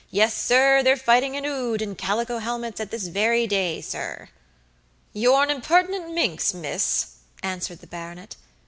Yes, sir, they're fighting in Oudh in calico helmets at this very day, sir." "You're an impertinent minx, miss," answered the baronet.